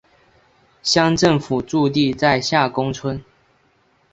乡政府驻地在下宫村。